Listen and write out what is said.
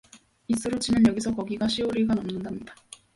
잇수로 치면 여기서 거기가 시오 리가 넘는답니다.